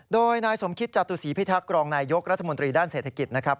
โดยนายสมคิตจตุศีพิทักษ์รองนายยกรัฐมนตรีด้านเศรษฐกิจนะครับ